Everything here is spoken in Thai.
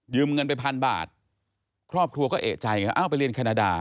ยืมเงินไป๑๐๐๐บาทครอบครัวก็เอกใจเอ้าไปเรียนแคนาดา